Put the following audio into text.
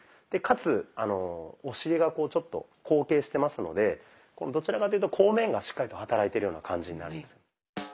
でかつお尻がちょっと後傾してますのでどちらというと後面がしっかりと働いてるような感じになります。